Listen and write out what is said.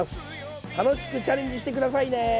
楽しくチャレンジして下さいね。